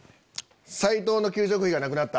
斎藤の給食費がなくなった。